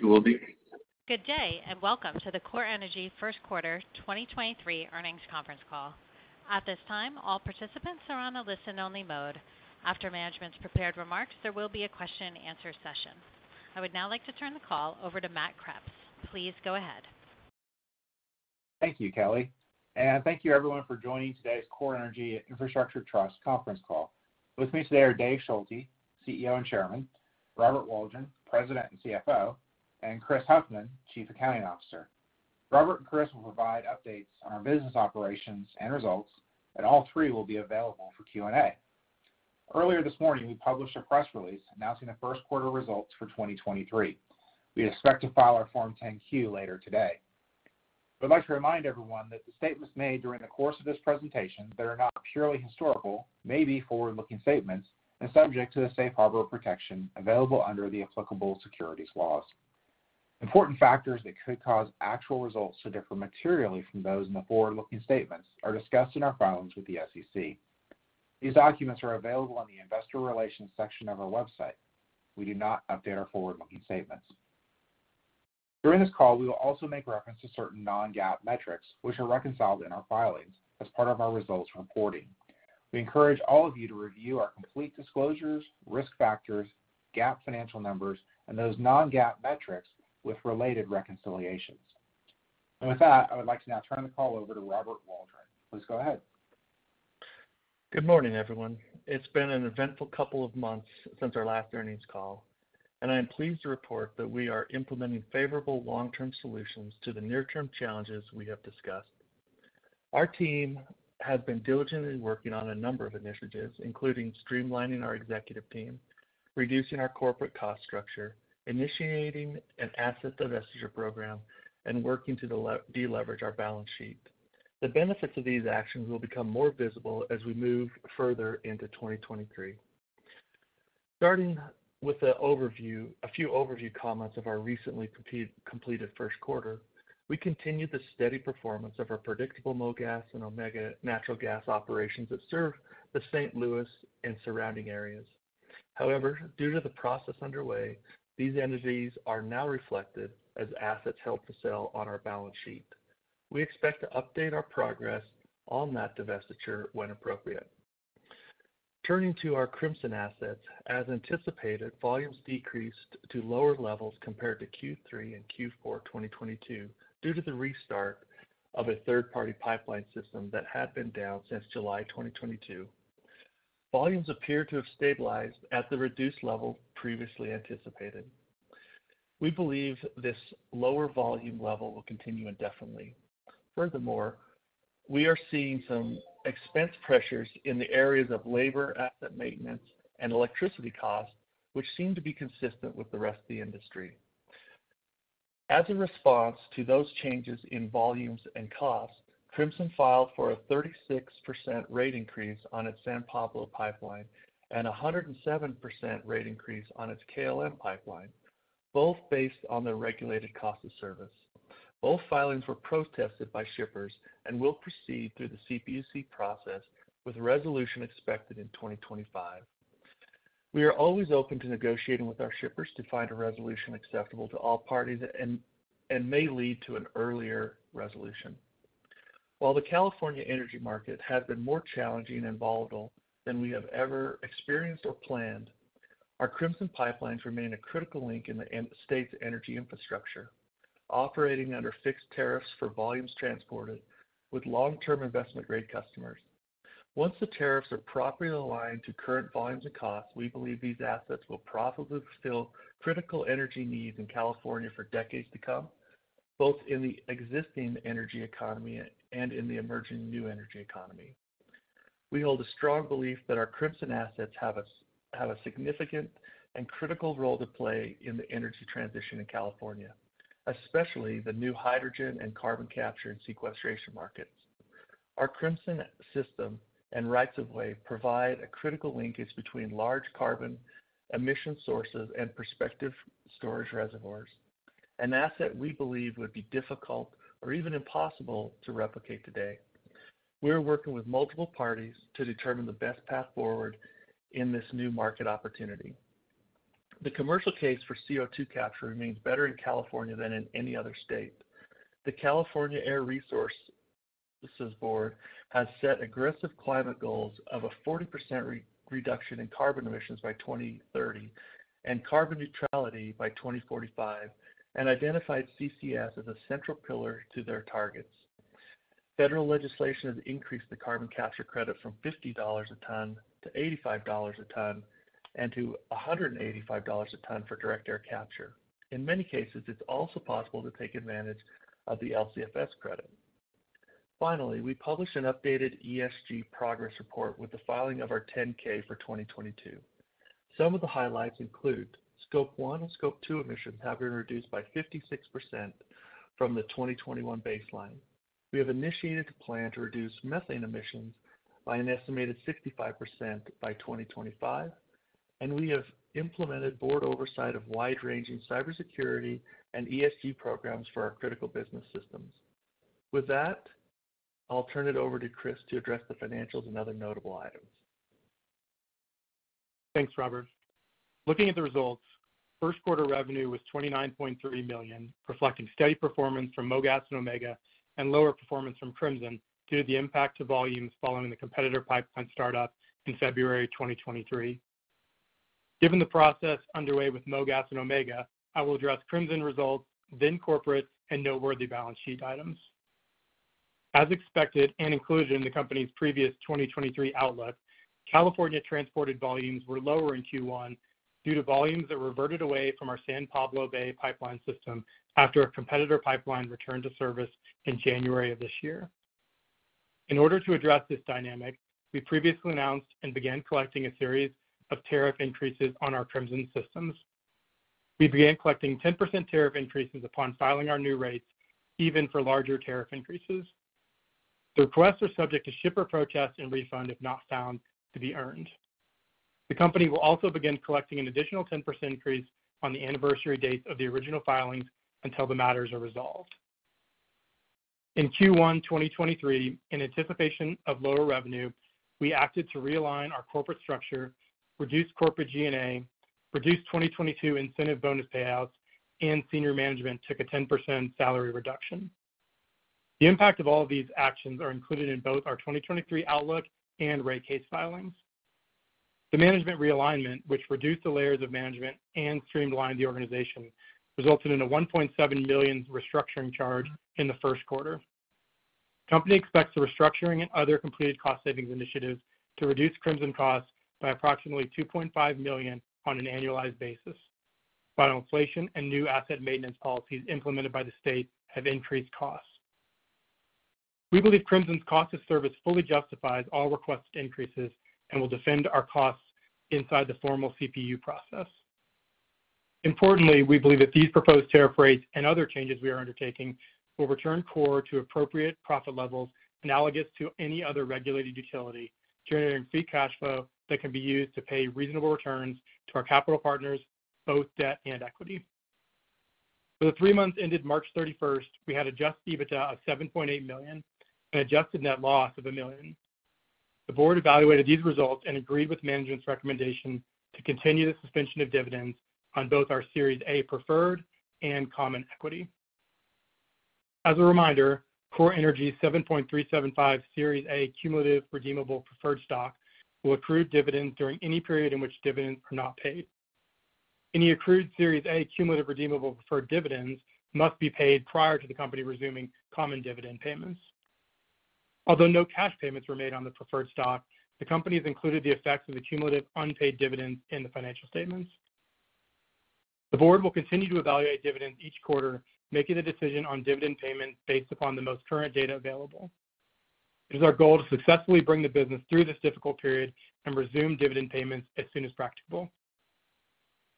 You will be. Good day, welcome to the CorEnergy first quarter 2023 earnings conference call. At this time, all participants are on a listen-only mode. After management's prepared remarks, there will be a question-and-answer session. I would now like to turn the call over to Matt Kreps. Please go ahead. Thank you, Kelly, and thank you everyone for joining today's CorEnergy Infrastructure Trust conference call. With me today are Dave Schulte, CEO and Chairman, Robert Waldron, President and CFO, and Chris Huffman, Chief Accounting Officer. Robert and Chris will provide updates on our business operations and results, and all three will be available for Q&A. Earlier this morning, we published a press release announcing the first quarter results for 2023. We expect to file our Form 10-Q later today. We'd like to remind everyone that the statements made during the course of this presentation that are not purely historical, may be forward-looking statements and subject to the safe harbor protection available under the applicable securities laws. Important factors that could cause actual results to differ materially from those in the forward-looking statements are discussed in our filings with the SEC. These documents are available on the investor relations section of our website. We do not update our forward-looking statements. During this call, we will also make reference to certain non-GAAP metrics, which are reconciled in our filings as part of our results reporting. We encourage all of you to review our complete disclosures, risk factors, GAAP financial numbers, and those non-GAAP metrics with related reconciliations. With that, I would like to now turn the call over to Robert Waldron. Please go ahead. Good morning, everyone. It's been an eventful couple of months since our last earnings call, and I am pleased to report that we are implementing favorable long-term solutions to the near-term challenges we have discussed. Our team has been diligently working on a number of initiatives, including streamlining our executive team, reducing our corporate cost structure, initiating an asset divestiture program, and working to deleverage our balance sheet. The benefits of these actions will become more visible as we move further into 2023. Starting with a few overview comments of our recently completed first quarter, we continued the steady performance of our predictable MoGas and Omega natural gas operations that serve the St. Louis and surrounding areas. Due to the process underway, these entities are now reflected as assets held for sale on our balance sheet. We expect to update our progress on that divestiture when appropriate. Turning to our Crimson, as anticipated, volumes decreased to lower levels compared to Q3 and Q4 2022 due to the restart of a third-party pipeline system that had been down since July 2022. Volumes appear to have stabilized at the reduced level previously anticipated. We believe this lower volume level will continue indefinitely. Furthermore, we are seeing some expense pressures in the areas of labor, asset maintenance, and electricity costs, which seem to be consistent with the rest of the industry. As a response to those changes in volumes and costs, Crimson filed for a 36% rate increase on its San Pablo pipeline and a 107% rate increase on its KLM pipeline, both based on their regulated cost of service. Both filings were protested by shippers and will proceed through the CPUC process with resolution expected in 2025. We are always open to negotiating with our shippers to find a resolution acceptable to all parties and may lead to an earlier resolution. While the California energy market has been more challenging and volatile than we have ever experienced or planned, our Crimson pipelines remain a critical link in the state's energy infrastructure, operating under fixed tariffs for volumes transported with long-term investment-grade customers. Once the tariffs are properly aligned to current volumes and costs, we believe these assets will profitably fulfill critical energy needs in California for decades to come, both in the existing energy economy and in the emerging new energy economy. We hold a strong belief that our Crimson assets have a significant and critical role to play in the energy transition in California, especially the new hydrogen and carbon capture and sequestration markets. Our Crimson system and rights of way provide a critical linkage between large carbon emission sources and prospective storage reservoirs, an asset we believe would be difficult or even impossible to replicate today. We are working with multiple parties to determine the best path forward in this new market opportunity. The commercial case for CO₂ capture remains better in California than in any other state. The California Air Resources Board has set aggressive climate goals of a 40% reduction in carbon emissions by 2030 and carbon neutrality by 2045 and identified CCS as a central pillar to their targets. Federal legislation has increased the carbon capture credit from $50 a ton to $85 a ton and to $185 a ton for direct air capture. In many cases, it's also possible to take advantage of the LCFS credit. Finally, we published an updated ESG progress report with the filing of our 10-K for 2022. Some of the highlights include Scope one and Scope two emissions have been reduced by 56% from the 2021 baseline. We have initiated a plan to reduce methane emissions by an estimated 65% by 2025, and we have implemented board oversight of wide-ranging cybersecurity and ESG programs for our critical business systems. With that, I'll turn it over to Chris to address the financials and other notable items. Thanks, Robert. Looking at the results, first quarter revenue was $29.3 million, reflecting steady performance from MoGas and Omega and lower performance from Crimson due to the impact to volumes following the competitor pipeline startup in February 2023. Given the process underway with MoGas and Omega, I will address Crimson results, then corporate, and noteworthy balance sheet items. As expected and included in the company's previous 2023 outlook, California transported volumes were lower in Q1 due to volumes that reverted away from our San Pablo Bay pipeline system after a competitor pipeline returned to service in January of this year. In order to address this dynamic, we previously announced and began collecting a series of tariff increases on our Crimson systems. We began collecting 10% tariff increases upon filing our new rates, even for larger tariff increases. The requests are subject to shipper protests and refund if not found to be earned. The company will also begin collecting an additional 10% increase on the anniversary dates of the original filings until the matters are resolved. In Q1 2023, in anticipation of lower revenue, we acted to realign our corporate structure, reduce corporate G&A, reduce 2022 incentive bonus payouts, and senior management took a 10% salary reduction. The impact of all of these actions are included in both our 2023 outlook and rate case filings. The management realignment, which reduced the layers of management and streamlined the organization, resulted in a $1.7 million restructuring charge in the first quarter. Company expects the restructuring and other completed cost savings initiatives to reduce Crimson costs by approximately $2.5 million on an annualized basis, but inflation and new asset maintenance policies implemented by the state have increased costs. We believe Crimson's cost of service fully justifies all requested increases and will defend our costs inside the formal CPUC process. Importantly, we believe that these proposed tariff rates and other changes we are undertaking will return CorEnergy to appropriate profit levels analogous to any other regulated utility, generating free cash flow that can be used to pay reasonable returns to our capital partners, both debt and equity. For the three months ended March 31st, we had adjusted EBITDA of $7.8 million and adjusted net loss of $1 million. The board evaluated these results and agreed with management's recommendation to continue the suspension of dividends on both our Series A preferred and common equity. As a reminder, CorEnergy's 7.375 Series A Cumulative Redeemable Preferred Stock will accrue dividends during any period in which dividends are not paid. Any accrued Series A Cumulative Redeemable Preferred dividends must be paid prior to the company resuming common dividend payments. Although no cash payments were made on the preferred stock, the company has included the effects of the cumulative unpaid dividends in the financial statements. The board will continue to evaluate dividends each quarter, making a decision on dividend payments based upon the most current data available. It is our goal to successfully bring the business through this difficult period and resume dividend payments as soon as practicable.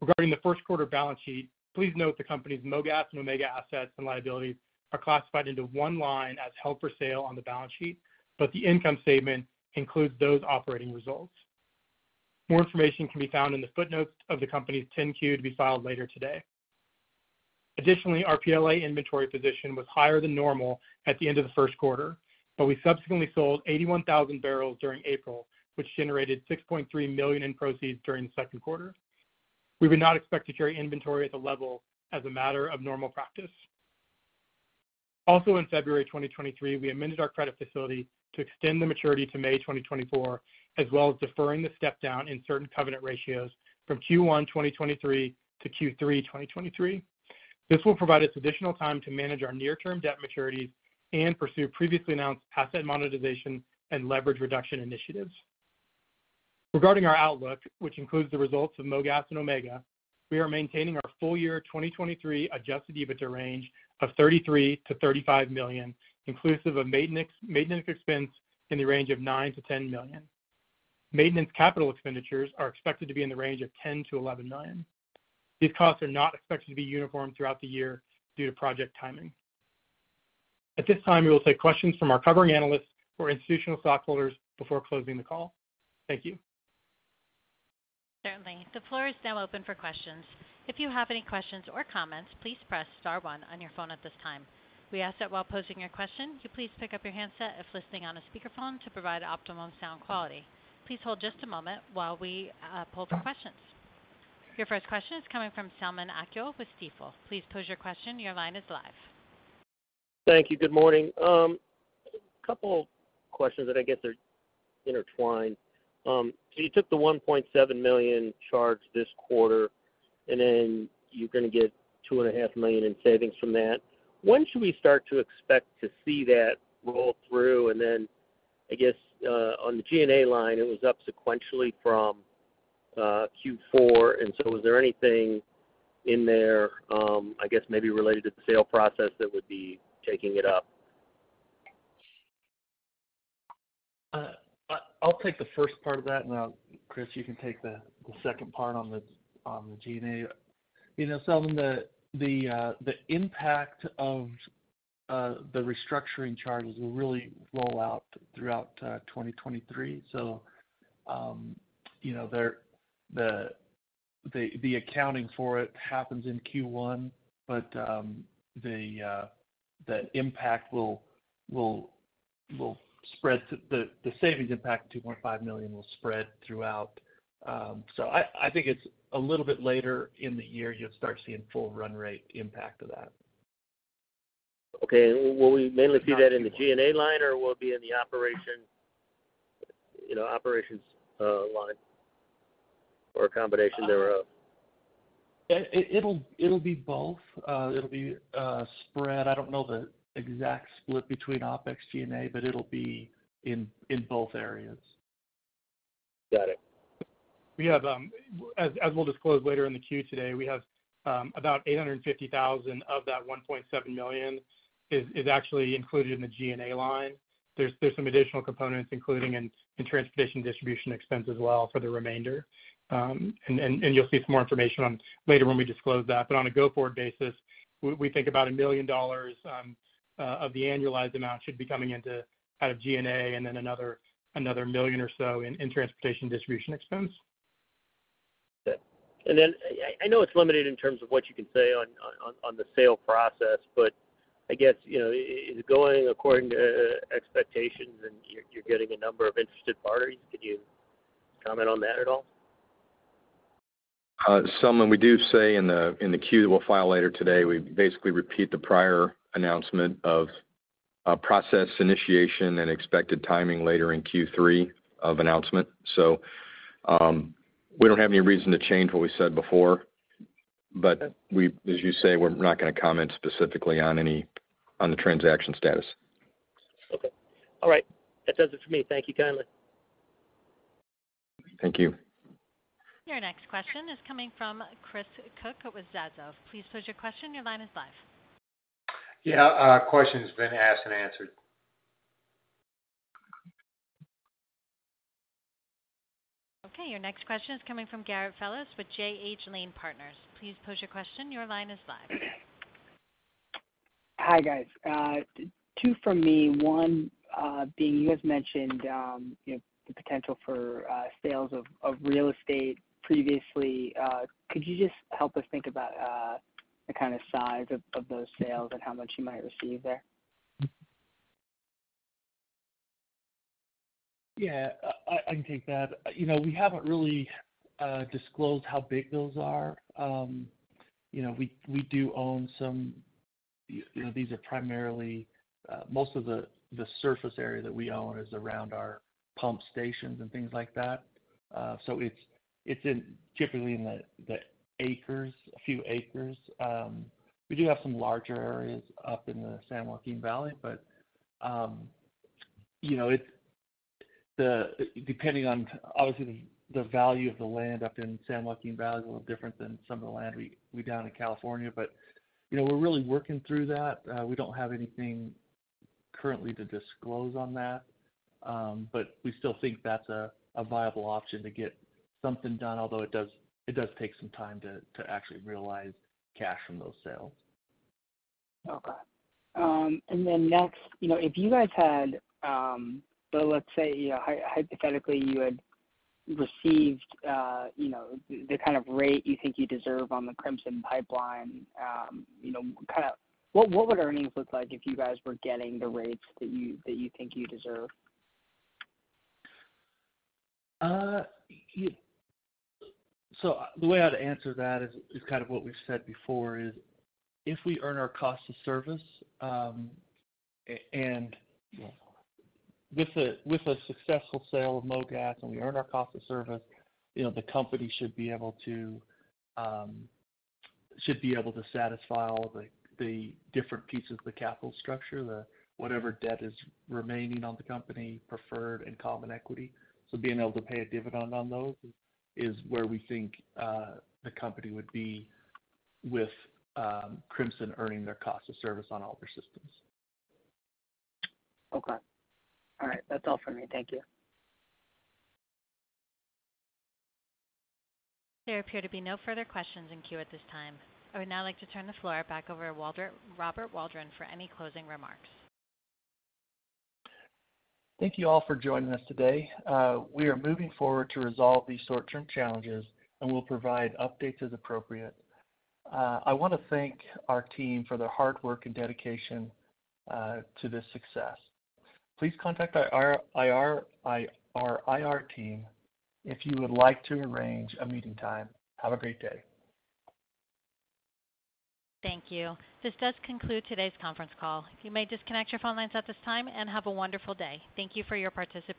Regarding the first quarter balance sheet, please note the company's MoGas and Omega assets and liabilities are classified into one line as held for sale on the balance sheet, but the income statement includes those operating results. More information can be found in the footnotes of the company's 10-Q to be filed later today. Additionally, our PLA inventory position was higher than normal at the end of the first quarter, but we subsequently sold 81,000 barrels during April, which generated $6.3 million in proceeds during the second quarter. We would not expect to carry inventory at the level as a matter of normal practice. In February 2023, we amended our credit facility to extend the maturity to May 2024, as well as deferring the step down in certain covenant ratios from Q1 2023 to Q3 2023. This will provide us additional time to manage our near-term debt maturities and pursue previously announced asset monetization and leverage reduction initiatives. Regarding our outlook, which includes the results of MoGas and Omega, we are maintaining our full year 2023 adjusted EBITDA range of $33 million-$35 million, inclusive of maintenance expense in the range of $9 million-$10 million. Maintenance capital expenditures are expected to be in the range of $10 million-$11 million. These costs are not expected to be uniform throughout the year due to project timing. At this time, we will take questions from our covering analysts or institutional stockholders before closing the call. Thank you. Certainly. The floor is now open for questions. If you have any questions or comments, please press star one on your phone at this time. We ask that while posing your question, you please pick up your handset if listening on a speakerphone to provide optimum sound quality. Please hold just a moment while we pull for questions. Your first question is coming from Selman Akyol with Stifel. Please pose your question. Your line is live. Thank you. Good morning. A couple questions that I guess are intertwined. You took the $1.7 million charge this quarter, and then you're gonna get $2.5 million in savings from that. When should we start to expect to see that roll through? I guess, on the G&A line, it was up sequentially from Q4, was there anything in there, I guess maybe related to the sale process that would be taking it up? I'll take the first part of that. Chris, you can take the second part on the G&A. You know, Selman, the impact of the restructuring charges will really roll out throughout 2023. You know, the. The accounting for it happens in Q1, but the impact will spread. The savings impact, $2.5 million, will spread throughout. I think it's a little bit later in the year you'll start seeing full run rate impact of that. Okay. Will we mainly see that in the G&A line or will it be in the operation, you know, operations, line? Or a combination thereof? It'll be both. It'll be spread. I don't know the exact split between OpEx G&A, but it'll be in both areas. Got it. We have, as we'll disclose later in the queue today, we have about $850,000 million of that $1.7 million actually included in the G&A line. There's some additional components, including transportation distribution expense as well for the remainder. You'll see some more information on later when we disclose that. On a go-forward basis, we think about $1 million of the annualized amount should be coming into out of G&A and then $1 million or so in transportation distribution expense. I know it's limited in terms of what you can say on the sale process, I guess, you know, is it going according to expectations and you're getting a number of interested parties? Could you comment on that at all? Some. We do say in the, in the Q that we'll file later today, we basically repeat the prior announcement of a process initiation and expected timing later in Q3 of announcement. We don't have any reason to change what we said before, but as you say, we're not gonna comment specifically on the transaction status. Okay. All right. That does it for me. Thank you kindly. Thank you. Your next question is coming from Chris Cook with Zazove. Please pose your question. Your line is live. Yeah. Our question's been asked and answered. Okay, your next question is coming from Garrett Fellows with J.H. Lane Partners. Please pose your question. Your line is live. Hi, guys. two from me, one, being you guys mentioned, you know, the potential for sales of real estate previously. Could you just help us think about the kind of size of those sales and how much you might receive there? Yeah, I can take that. You know, we haven't really disclosed how big those are. You know, we do own some, you know, these are primarily most of the surface area that we own is around our pump stations and things like that. It's typically in the acres, a few acres. We do have some larger areas up in the San Joaquin Valley, you know, depending on obviously the value of the land up in San Joaquin Valley, a little different than some of the land we got in California. You know, we're really working through that. We don't have anything currently to disclose on that. We still think that's a viable option to get something done. Although it does take some time to actually realize cash from those sales. Okay. Then next, you know, if you guys had, let's say, you know, hypothetically you had received, you know, the kind of rate you think you deserve on the Crimson pipeline, you know, kind of what would earnings look like if you guys were getting the rates that you think you deserve? The way I'd answer that is kind of what we've said before, is if we earn our cost of service, and with a successful sale of MoGas and we earn our cost of service, you know, the company should be able to satisfy all the different pieces of the capital structure, the whatever debt is remaining on the company, preferred and common equity. Being able to pay a dividend on those is where we think the company would be with Crimson earning their cost of service on all of their systems. Okay. All right. That's all for me. Thank you. There appear to be no further questions in queue at this time. I would now like to turn the floor back over to Robert Waldron for any closing remarks. Thank you all for joining us today. We are moving forward to resolve these short-term challenges, and we'll provide updates as appropriate. I wanna thank our team for their hard work and dedication to this success. Please contact our IR team if you would like to arrange a meeting time. Have a great day. Thank you. This does conclude today's conference call. You may disconnect your phone lines at this time, and have a wonderful day. Thank you for your participation.